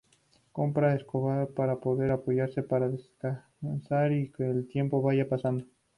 Compra escobas para poder apoyarse para descansar y que el tiempo vaya pasando.